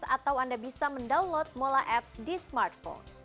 atau anda bisa mendownload molaapps di smartphone